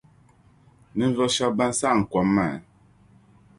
Ninvuɣu shɛba ban saɣim kom maa.